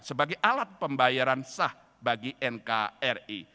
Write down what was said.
sebagai alat pembayaran sah bagi nkri